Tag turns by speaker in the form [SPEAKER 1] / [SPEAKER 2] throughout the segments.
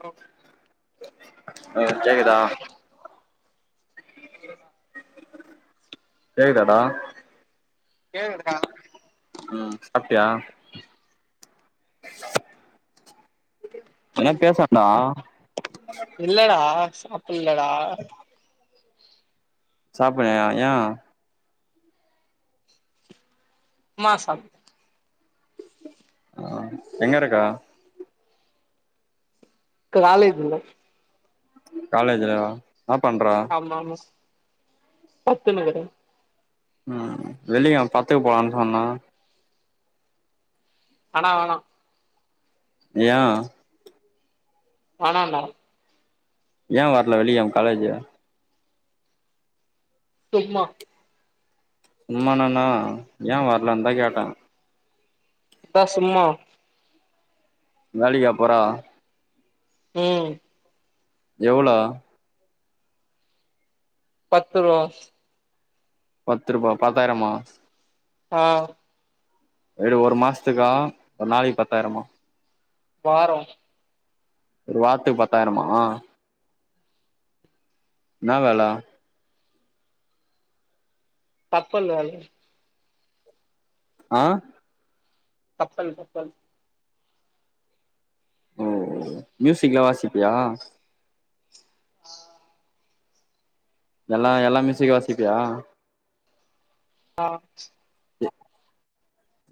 [SPEAKER 1] Hello
[SPEAKER 2] hello கேக்குதா கேக்குதாடா
[SPEAKER 1] கேக்குதுடா
[SPEAKER 2] ம் சாப்டியா எதனா பேசான்டா
[SPEAKER 1] இல்லடா சாப் புல்லடா
[SPEAKER 2] சாப்புல்லயா ஏ
[SPEAKER 1] உப்மா சாப்டே
[SPEAKER 2] ஆ எங்கருக்க?
[SPEAKER 1] காலேஜுல
[SPEAKER 2] காலேஜுலயா னா பண்ற?
[SPEAKER 1] பத்துனுகுறே
[SPEAKER 2] ம் வெள்ளிகெழம் பத்துக்க போலான் சொன்னா
[SPEAKER 1] ஆனா‌ வேணா
[SPEAKER 2] ஏ
[SPEAKER 1] வேணான்டா
[SPEAKER 2] ஏ வர்ல வெள்ளிக்கெழம் காலேஜா
[SPEAKER 1] சும்மா
[SPEAKER 2] சும்மானா என்னா ஏ வர்லந்தா கேட்டே
[SPEAKER 1] அதா சும்மா
[SPEAKER 2] வேலிக்கா போறா
[SPEAKER 1] ம்
[SPEAKER 2] எவ்ளோ
[SPEAKER 1] பத்து ருவா
[SPEAKER 2] பத்து ருபா பத்தாயிரமா
[SPEAKER 1] ஆ
[SPEAKER 2] எடு ஒரு மாசத்துக்கா ஒரு நாளைக் பத்தாயிரமா
[SPEAKER 1] வாரொ
[SPEAKER 2] ஒரு வாரத்துக் பத்தாயிரமா இன்னா வேல
[SPEAKER 1] கப்பல் வேல
[SPEAKER 2] ஆ
[SPEAKER 1] கப்பல் கப்பல்
[SPEAKER 2] ஓ மியூசிக்லா வாசிப்பியா
[SPEAKER 1] ஆ
[SPEAKER 2] எல்லா எல்லா மியூசிக் வாசிப்பியா
[SPEAKER 1] ஆ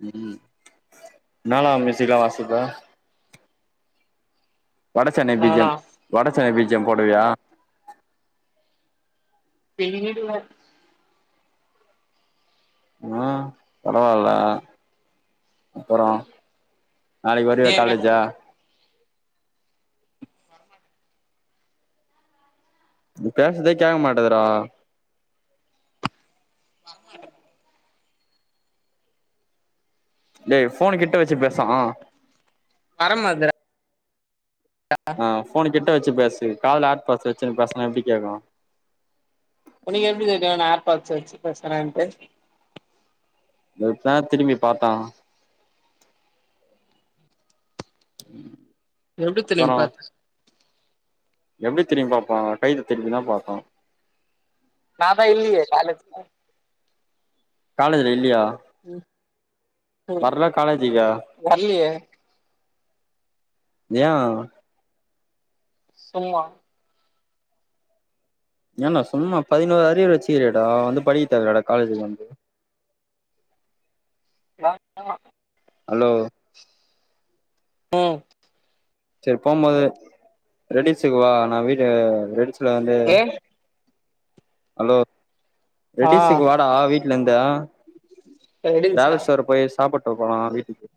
[SPEAKER 2] ம் என்னாலா மியூசிக்லா வாசிப்ப வடச்சென்னை பி ஜி
[SPEAKER 1] நானா
[SPEAKER 2] M Vada Chennai B G M போடுவியா
[SPEAKER 1] பின்னிடுவே
[SPEAKER 2] ஆ பரவால்ல அப்பறோ நாளைக்கு
[SPEAKER 1] நீ
[SPEAKER 2] வருவியா
[SPEAKER 1] எங்க
[SPEAKER 2] காலேஜா
[SPEAKER 1] வரமாட்டே
[SPEAKER 2] நீ பேசதே கேக்க மாட்டுதுடா
[SPEAKER 1] வரமாட்டென்டா
[SPEAKER 2] டேய் ஃபோன கிட்ட வச்சு பேசா
[SPEAKER 1] வரமாட்டெடா
[SPEAKER 2] ஆ ஃபோன கிட்ட வச்சு பேசு காதுல ஏர் பாட்ஸ் வச்சுனு பேசனா எப்டி கேக்கு
[SPEAKER 1] உனக்கு எப்டி தெரியு நா ஏர் பாட்ஸு வச்சு பேசுறேன்ட்டு
[SPEAKER 2] வெச்சா திரும்பி பாத்தா உம்
[SPEAKER 1] எப்டி தெரியு பாத்
[SPEAKER 2] எப்டி திரும் பாப்பா கைத திருபினா பாப்பா
[SPEAKER 1] நாதா இல்லயே காலேஜ்ல
[SPEAKER 2] காலேஜுல இல்யா
[SPEAKER 1] ம் ம்
[SPEAKER 2] வர்ல காலேஜிக்கா
[SPEAKER 1] வர்லியே
[SPEAKER 2] ஏ
[SPEAKER 1] சும்மா
[SPEAKER 2] ஏன்னா சும்மா பதினோரு அரியர் வச்சுகிறடா வந்து படிக்க தவலடா காலேஜுக்கு வந்து
[SPEAKER 1] [unintelligible]
[SPEAKER 2] ஹலோ
[SPEAKER 1] ம்
[SPEAKER 2] சேர் போம்மோது ரெடிசுக்கு வா நா வீ து ரெடி சுல வந்து
[SPEAKER 1] ஏ
[SPEAKER 2] ஹலோ
[SPEAKER 1] ஆ
[SPEAKER 2] ரெடிசுக்கு வாடா வீட்லந்தா
[SPEAKER 1] ரெடில்ஸா
[SPEAKER 2] ட்ராவஸ் வர போயி சாப்பு ட்டு போலா வீட்டுக்கு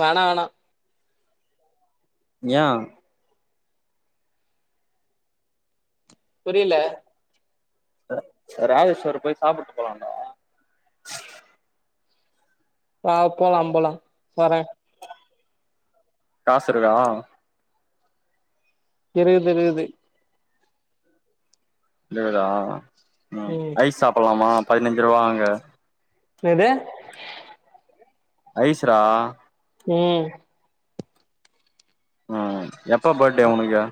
[SPEAKER 1] வேணா வேணா
[SPEAKER 2] ஏ
[SPEAKER 1] புரியல
[SPEAKER 2] ராமேஸ்வர போய் சாப்ட்டு போலாம்டா
[SPEAKER 1] ஆ போலாம் போலாம் வறே
[SPEAKER 2] காசு இருக்கா
[SPEAKER 1] இருக்குது இருக்குது
[SPEAKER 2] இதா உம்
[SPEAKER 1] ம்
[SPEAKER 2] ஐஸ் சாப்பிடலாமா பதினஞ்சு ரூபாங்க
[SPEAKER 1] எதெ
[SPEAKER 2] ஐஸ்டா
[SPEAKER 1] உம்
[SPEAKER 2] உம் எப்ப பர்த்டே உனக்கு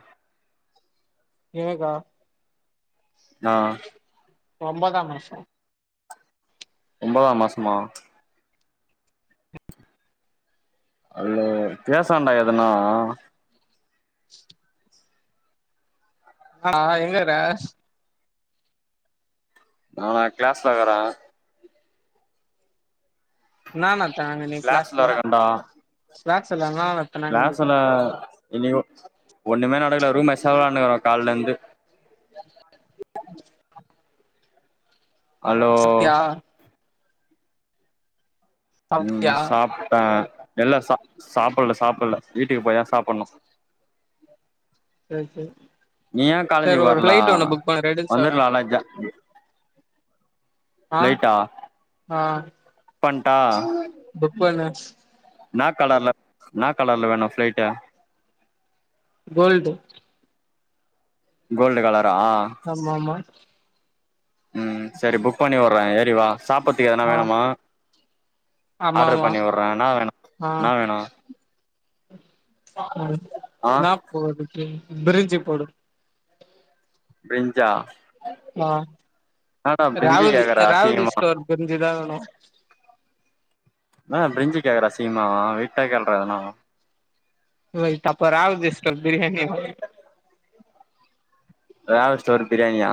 [SPEAKER 1] ஏனக்கா
[SPEAKER 2] ஆ
[SPEAKER 1] ஒம்பதாம் மாசம்
[SPEAKER 2] ஒம்பதாம் மாசமா இல்ல பேசேண்டா எதனா
[SPEAKER 1] ஆ எங்கடா
[SPEAKER 2] நானா கிளாஸ்ல இருக்கறே
[SPEAKER 1] நானா
[SPEAKER 2] கிளாஸ்ல இருக்கேன்டா
[SPEAKER 1] க்ளாஸ்ல
[SPEAKER 2] க்லாஸ்ல இனிகொ ஒண்ணுமே நடக்கல ரூம்மெட்ச்தா வெலான்டுனுக்கிறோ கால்ல இருந்து
[SPEAKER 1] [unintelligible]
[SPEAKER 2] அலோ
[SPEAKER 1] சாப்ட்டியா
[SPEAKER 2] உம்
[SPEAKER 1] சாப்ட்டியா
[SPEAKER 2] சாப்டே இல்ல சாப்பிடல சாப்பிடல வீட்டுக்கு போய்தா சாப்பிடணு
[SPEAKER 1] சரி சரி
[SPEAKER 2] நீ ஏ காலேஜுக்கு வரலா
[SPEAKER 1] ரெடில்ஸ் வரே
[SPEAKER 2] வந்துரலால
[SPEAKER 1] ஆ
[SPEAKER 2] புக்
[SPEAKER 1] ஆ
[SPEAKER 2] பண்ட்டா
[SPEAKER 1] புக்பண்ணு
[SPEAKER 2] நா கலர்ல நா கலர்ல தான ஃபிளைட்டு
[SPEAKER 1] கோல்டு
[SPEAKER 2] கோல்டு கலர்
[SPEAKER 1] ஆமாமா
[SPEAKER 2] ம் சரி புக் பண்ணி வுர்றே எ ரி வா சாப்பத்துகு எதனா
[SPEAKER 1] ஆ
[SPEAKER 2] வேணுமா
[SPEAKER 1] ஆமா
[SPEAKER 2] ஆர்டரு
[SPEAKER 1] ஆமா
[SPEAKER 2] பண்ணி வுட்றே என்னா வேணு னா வேணு
[SPEAKER 1] ம்
[SPEAKER 2] ஆ
[SPEAKER 1] நாப்போது பிரிஞ்சி போடு
[SPEAKER 2] பிரிஞ்சா
[SPEAKER 1] நா
[SPEAKER 2] என்னடா பிரிஞ்சு
[SPEAKER 1] ராவதி
[SPEAKER 2] கேக்குற
[SPEAKER 1] ராவதி
[SPEAKER 2] அசிங்கமா
[SPEAKER 1] ஸ்டோர் பிரிஞ்சி தா வேணு
[SPEAKER 2] நானா பிரிஞ்சு கே. குற அசிங்கமா வெயிட்டா கேள்றா எதனா
[SPEAKER 1] வயிட் அப்ப ராவதி ஸ்டோர் பிரியாணி
[SPEAKER 2] ராவதி ஸ்டோர் பிரியாணியா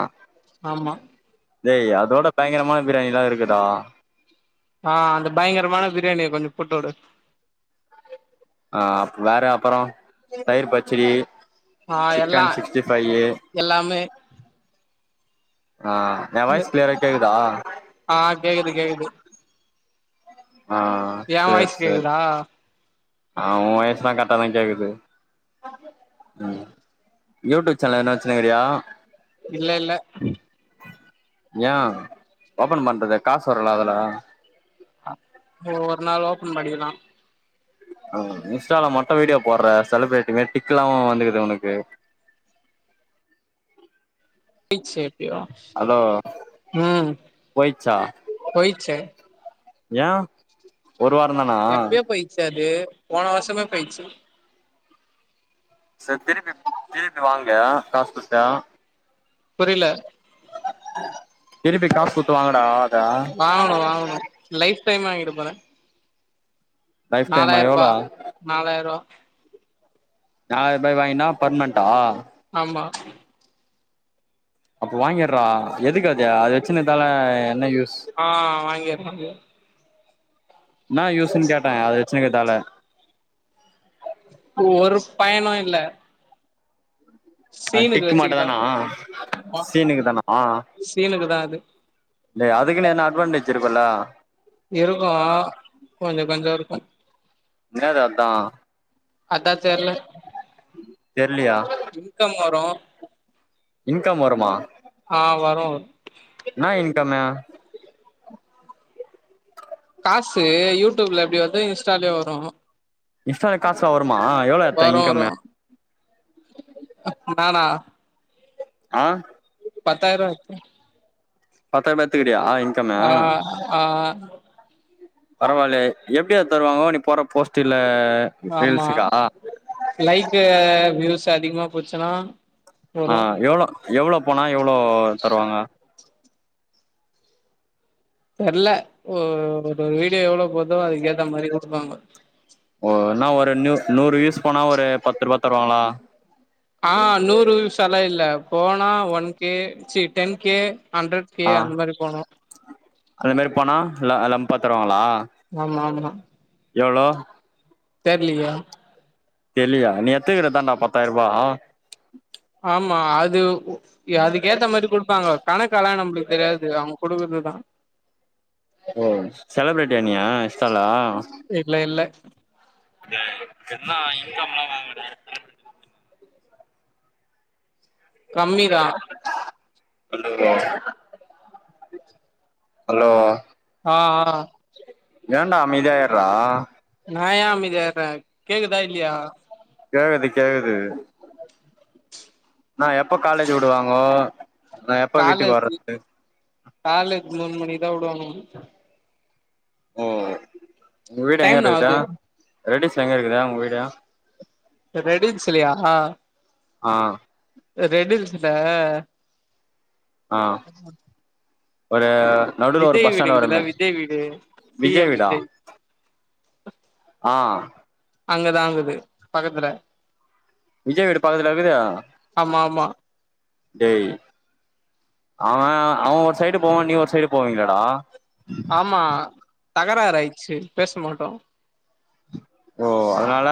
[SPEAKER 1] ஆமா
[SPEAKER 2] டேய் அ தோட பயங்கரமான பிரியாணிலா இருக்கு டா
[SPEAKER 1] ஆ அந்த பயங்கரமான பிரியாணிய கொஞ்சொ போட்டுடு
[SPEAKER 2] ஆ அப் வேற அப்பறொ தயிர் பச்சடி
[SPEAKER 1] ஆ எல்லா
[SPEAKER 2] சிக்கன் சிக்ஸ்டி ஃபையி
[SPEAKER 1] எல்லாமே
[SPEAKER 2] ஆ எ வாய்ஸ் கிளியரா கேக்குதா
[SPEAKER 1] ஆ கேக்குது கேக்குது
[SPEAKER 2] ஆ
[SPEAKER 1] ஏ
[SPEAKER 2] சேர்
[SPEAKER 1] வாய்ஸ்
[SPEAKER 2] சேரி
[SPEAKER 1] கேக்குதா
[SPEAKER 2] ஆ ஓ வாய்ஸ்லா கரட்டாதா கேக்குது
[SPEAKER 1] உம்
[SPEAKER 2] ம் யூடிப் சேனல் எதனா வச்சுன்னுக்குறியா
[SPEAKER 1] இல்லெல்ல
[SPEAKER 2] ஏ ஓபன் பண்றது காசு வருல அதுல
[SPEAKER 1] ஒரு நாள் ஓப்பன் பண்ணிர்லா
[SPEAKER 2] இன்ஸ்டால மட்டு வீடியோ போட்ற செலிப்ரிட்டி மார் டிக்லா வந்துக்குது உனக்கு
[SPEAKER 1] டிச்சே
[SPEAKER 2] அலோ போயிச்சா
[SPEAKER 1] ச்சு
[SPEAKER 2] ஏ ஒரு வாரந்தானா
[SPEAKER 1] எப்பயோ போயிச்சு அது போன வர்ஷமே போயிட்ச்சு
[SPEAKER 2] சேரி திருப்பி திருப்பி வாங்கு காசு குட்த்து
[SPEAKER 1] புரியல
[SPEAKER 2] திருப்பி காசு குட்த்து வாங்குடா அத
[SPEAKER 1] வாங்கணு வாங்கணு லைஃப் டைம் வாங்கிடப் போறே
[SPEAKER 2] லைஃப் டைமா
[SPEAKER 1] நாலாயர்ரூபா
[SPEAKER 2] எவ்ளோ
[SPEAKER 1] நாலாயர்ரூவா
[SPEAKER 2] நாலாயர்ரூபாய்க்கி வாங்கினா பர்மனட்டா
[SPEAKER 1] ஆமா
[SPEAKER 2] அப்ப வாங்கிட்றா எதுக்கு அது அது வச்சினதால என்ன யூஸ்
[SPEAKER 1] ஆ வாங்கிரலா அது
[SPEAKER 2] என்னா யூஸுன்னு கேட்டே அது வெச்சினுருக்கதால
[SPEAKER 1] அந்த ஒரு பயனு இல்ல
[SPEAKER 2] அது
[SPEAKER 1] சீனுக்கு
[SPEAKER 2] டிக்கு
[SPEAKER 1] வச்சுக்கலா
[SPEAKER 2] மட்டுந்தானா
[SPEAKER 1] ஆமா
[SPEAKER 2] சீனுக்குதானா
[SPEAKER 1] சீனுக்கு தா அது
[SPEAKER 2] டேய் அதுக்குன்னு ஏண்டா
[SPEAKER 1] இருக்கு கொஞ்ச கொஞ்ச இருக்கு
[SPEAKER 2] என்ன சத்தோ
[SPEAKER 1] அதா தெர்ல
[SPEAKER 2] தெர்லியா
[SPEAKER 1] இன்கம் வரு
[SPEAKER 2] இன்கம் வருமா
[SPEAKER 1] ஆ வரு
[SPEAKER 2] என்னா இன்கமு
[SPEAKER 1] காசு யூடியூப்ல எப்டி வர்தோ இன்ஸ்டாலயு வரு
[SPEAKER 2] இன்ஸ்டால காசுலா வருமா எவ்ளோ எட்த்த
[SPEAKER 1] வரு வரு
[SPEAKER 2] இன்கம்மு
[SPEAKER 1] நானா
[SPEAKER 2] ஆ
[SPEAKER 1] பத்தாயர்ருவா எட்த்தே
[SPEAKER 2] பத்தாயர்ருபா எட்த்தி
[SPEAKER 1] ஆ ஆ
[SPEAKER 2] பரவால்லயே எப்டி அது தருவாங்கோ நீ போட்ற போஸ்ட்டுல
[SPEAKER 1] ஆமா லைக்கு வியூஸ் அதிகமா போச்சுனா
[SPEAKER 2] ஆ எவ்ளோ எவ்ளோ பணோ எவ்ளோ தருவாங்க
[SPEAKER 1] தெர்ல ஒரு ஒரு வீடியோ எவ்ளோ போதோ அதுக்க ஏத்த மாதிரி குடுப்பாங்க
[SPEAKER 2] ஓ என்னா ரூ நூறு வ்யூஸ் போனா ஒரு பத்து ரூபா தருவாங்களா
[SPEAKER 1] ஆ நூறு சல இல்ல போனா one K C ten K hundred K
[SPEAKER 2] ஆ
[SPEAKER 1] அந்த மாரி போனோ
[SPEAKER 2] அந்த மாரி போனா லம்பா தருவாங்களா
[SPEAKER 1] ஆமா ஆமா
[SPEAKER 2] எவ்ளோ
[SPEAKER 1] தெர்லையே
[SPEAKER 2] தெர்லியா நீ எத்துக்கிட்டத்தண்டா பத்தாயிரம் வா
[SPEAKER 1] ஆமா அது அதுக்கேத்த மாதிரி குடுப்பாங்க கணக்கெல்லா நம்மளுக்கு தெரியாது அவுங்க குடுக்குறதுதா
[SPEAKER 2] ஓ செலபிரிட்டியா நீ இன்ஷ்டால்லா
[SPEAKER 1] இல்ல இல்ல
[SPEAKER 2] ன இன்கம் எல்லா வாங்கா
[SPEAKER 1] கம்மிதா ரி
[SPEAKER 2] ஹலோ
[SPEAKER 1] [unintelligible]
[SPEAKER 2] ஹலோ
[SPEAKER 1] ஆ ஆ
[SPEAKER 2] ஏன்டா அமைதியா இருறா
[SPEAKER 1] நா ஏ அமைதியா இருக்கே கேக்குதா இல்லையா
[SPEAKER 2] கேக்குது கேக்குது நா எப்ப காலேஜ் விடுவாங்கோ நா எப்ப வீட்டுக்கு
[SPEAKER 1] காலஜி
[SPEAKER 2] வர்றது
[SPEAKER 1] காலேஜ் போன் பண்ணி எ விடுவாங்க
[SPEAKER 2] ஓ உங்க வீடு எங்க
[SPEAKER 1] டைம் என்னா
[SPEAKER 2] இருக்குது
[SPEAKER 1] ஆவுது
[SPEAKER 2] ரெடிஸ் எங்க இருக்குதா உங்க வீட
[SPEAKER 1] ரெடின்ஸலயா
[SPEAKER 2] ஆ
[SPEAKER 1] ரெட்டிஸ்ல
[SPEAKER 2] ஆ
[SPEAKER 1] ஆஹ [inaudible]
[SPEAKER 2] ஒரு நடுவுல ஒரு பஸ் ஸ்டாண்ட் வருமே
[SPEAKER 1] வீடு சி
[SPEAKER 2] விஜய்
[SPEAKER 1] எம்
[SPEAKER 2] வீடா ஆ
[SPEAKER 1] அங்கதான் குது பக்கத்துல
[SPEAKER 2] விஜய் வீடு பக்கத்லயா இக்குது
[SPEAKER 1] ஆமா ஆமா
[SPEAKER 2] டேய் அவன் அவன் ஒரு சைடு போவான் நீ ஒரு சைடு போவீங்களேடா
[SPEAKER 1] ஆமா தகராறு ஆயிச்சு பேசமாட்டோம்
[SPEAKER 2] ஓ அதனால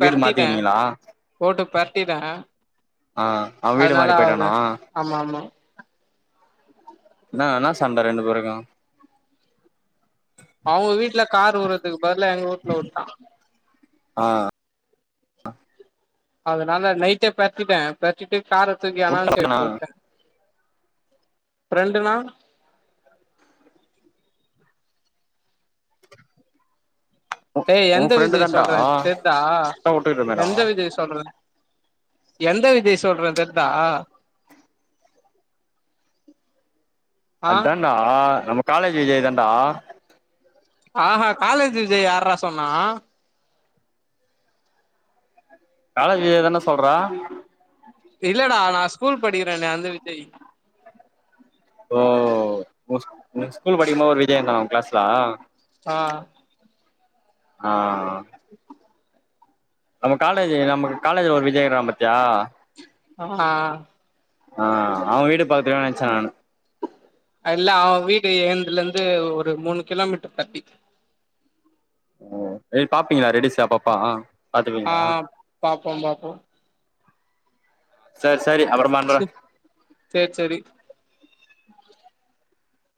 [SPEAKER 2] வீடு மாத்திகினிங்களா
[SPEAKER 1] ட்டிடேன்
[SPEAKER 2] ஆ அவன் வீடு மாரி போயிட்டானா
[SPEAKER 1] ஆமா ஆமா
[SPEAKER 2] ஏனா ஏனா சண்ட ரெண்டு பேருக்கும்
[SPEAKER 1] அவுங்க வீட்ல கார் உற்றதுக்கு பதிலா எங்க ஊட்ல உட்டான்
[SPEAKER 2] ஆ
[SPEAKER 1] அதுனால நைட்டே பெர்டிட்டேன் பெர்ச்சிட்டு காரதூக்கி அனான்டு சைடு
[SPEAKER 2] உட்டனா
[SPEAKER 1] போட்டேன் ஃப்ரெண்டு நா ஏய்
[SPEAKER 2] உன்
[SPEAKER 1] எந்த
[SPEAKER 2] ஃப்ரெண்டு
[SPEAKER 1] விஜயை
[SPEAKER 2] தான்டா
[SPEAKER 1] சொல்றேன் தெர்தா
[SPEAKER 2] உட்டா உட்டுக்கிட்டமேடா
[SPEAKER 1] எந்த விஜயை சொல்றேன் எந்த விஜய் சொல்ற தெர்தா ஆ
[SPEAKER 2] அத்தான்டா ஆ நமக் காலேஜ் விஜய் தான்டா
[SPEAKER 1] ஆ ஆ காலேஜ் விஜய் யார்ர சொன்னா
[SPEAKER 2] காலேஜ் விஜய் தான்ட சொல்றான்
[SPEAKER 1] இல்லடா நான் ஸ்கூல் படிக்கிறேனே அந்த விஜய்
[SPEAKER 2] ஓ உன் உன் ஸ்கூல் படிக்கும்போது ஒரு விஜய் இருந்தானா உன் கிளாஸ்ல
[SPEAKER 1] ஆ
[SPEAKER 2] ஆ
[SPEAKER 1] [unintelligible]
[SPEAKER 2] நம்ம காலேஜ் நம்மக்கு காலேஜ்ல ஒரு விஜய் இருக்கிறான் பாத்தியா
[SPEAKER 1] ஆமா
[SPEAKER 2] ஆ அவன் வீடு பக்கத்திலையோ நினைச்சேன் நான்னு
[SPEAKER 1] அல்லா அவன் வீடு எந்துலந்து ஒரு மூணு கிலோமீட்டர் தட்டி
[SPEAKER 2] ஓ போய் பாப்பீங்களா ரெடீன்ஸ்ல அப்பப்போ
[SPEAKER 1] ஆ பாப்போம் பாப்போம்
[SPEAKER 2] செர் செரி அப்பொறம் பண்றேன்
[SPEAKER 1] சேர் சேரி